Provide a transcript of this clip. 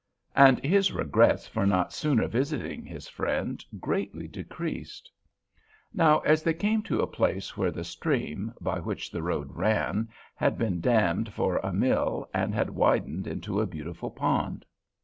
And his regrets for not sooner visiting his friend greatly decreased. Now they came to a place where the stream, by which the road ran, had been dammed for a mill and had widened into a beautiful pond.